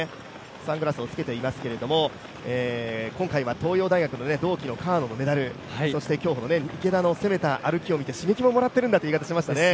サングラスをつけていますけれども、今回は東洋大学の同期の川野のメダルそして、競歩の池田の攻めた歩きを見て、刺激をもらっているんだと話しています。